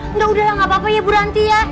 engga udahlah gak apa apa ya bu ranti ya